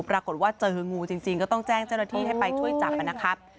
ปรากฏว่าเจองูจริงก็ต้องแจ้งเจ้าหน้าที่ให้ไปช่วยจับนะครับ